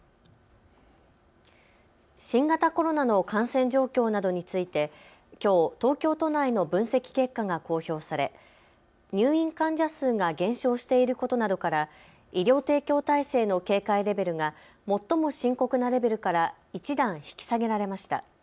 新型コロナの感染状況などについてきょう東京都内の分析結果が公表され、入院患者数が減少していることなどから医療提供体制の警戒レベルが最も深刻なレベルから１段引き下げられました。